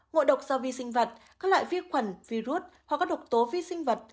ngộ độc do vi sinh vật các loại vi khuẩn virus hoặc các độc tố vi sinh vật